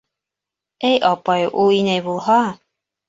Эй, апай, ул инәй булһа...